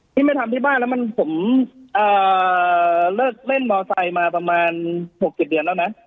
ไม่ทำที่บ้านแล้วผมเลิกเล่นมอไซค์มาประมาณ๖๗เดือนแล้วนะ